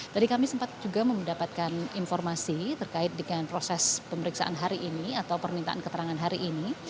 tadi kami sempat juga mendapatkan informasi terkait dengan proses pemeriksaan hari ini atau permintaan keterangan hari ini